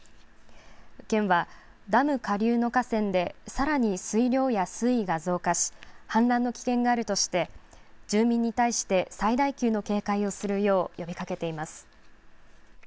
県はダム下流の河川でさらに水量や水位が増加し、氾濫の危険があるとして、住民に対して、最大級の警戒をするよう呼びかけています。